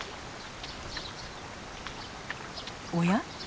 おや？